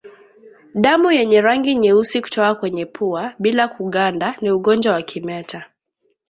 Damu yenye rangi nyeusi kutoka kwenye pua bila kuganda ni ugonjwa wa kimeta